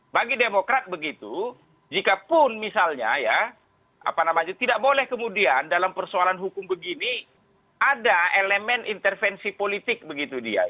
bagi demokrat begitu jikapun misalnya ya apa namanya tidak boleh kemudian dalam persoalan hukum begini ada elemen intervensi politik begitu dia